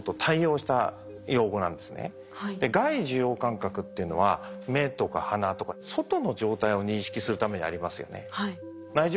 外受容感覚っていうのは目とか鼻とか外の状態を認識するためにありますよね。